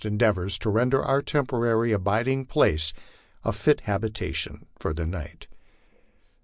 endeavors to render our temporary abiding place a fit habitation for the night.